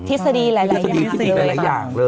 ทฤษฎีหลายอย่าง